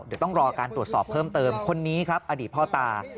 เดี๋ยวต้องรอการตรวจสอบเพิ่มเติมคนนี้ครับอดีตพ่อตา